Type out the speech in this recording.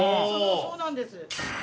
そうなんです。